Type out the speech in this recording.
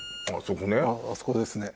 あっそこね。